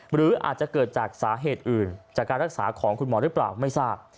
หรืออาจจะเกิดจากสาเหตุอื่นจากการรักษาของคุณหมอหรือเปล่าไม่ทราบ